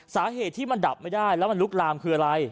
สาเหตุที่มันดับไม่ได้แล้วมันลุกลามคืออะไร